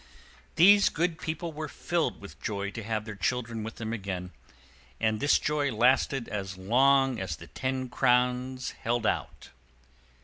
These good people were filled with joy to have their children with them again, and this joy lasted as long as the ten crowns held out.